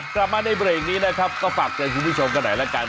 กลับมาในเบรกนี้นะครับก็ฝากเตือนคุณผู้ชมกันหน่อยละกัน